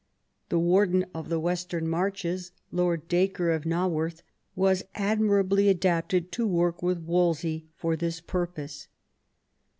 The Warden of the Western Marches, Lord Dacre of Naworth, was admirably adapted to work with Wolsey for this purpose.